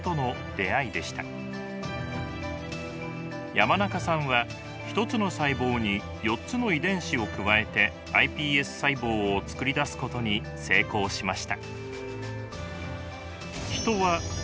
山中さんは１つの細胞に４つの遺伝子を加えてｉＰＳ細胞をつくり出すことに成功しました。